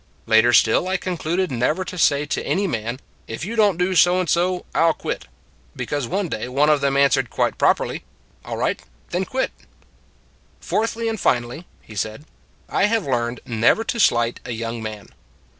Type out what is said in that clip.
"Later still I concluded never to say to any man, If you don t do so and so, I 11 quit because one day one of them answered quite properly, All right, then quit. " Fourthly and finally," he said, " I have learned never to slight a young man.